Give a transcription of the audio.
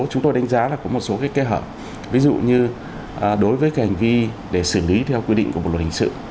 chúng tôi đánh giá là có một số kẽ hở ví dụ như đối với cái hành vi để xử lý theo quy định của bộ luật hình sự